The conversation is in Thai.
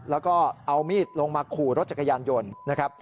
แล้วก็เอามีดลงมาขู่รถจักรยานยนต์นะครับ